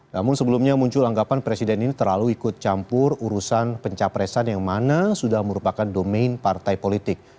namun sebelumnya muncul anggapan presiden ini terlalu ikut campur urusan pencapresan yang mana sudah merupakan domain partai politik